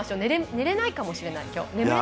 眠れないかもしれない。